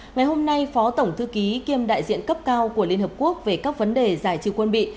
ngày hôm nay phó tổng thư ký kiêm đại diện cấp cao của liên hợp quốc về các vấn đề giải trừ quân bị